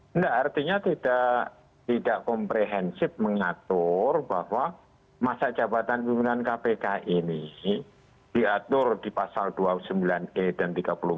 enggak artinya tidak komprehensif mengatur bahwa masa jabatan pimpinan kpk ini diatur di pasal dua puluh sembilan e dan tiga puluh empat